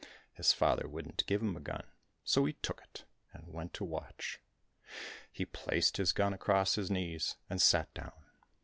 His father wouldn't give him a gun, so he took it, and went to watch. He placed his gun across his knees and sat down.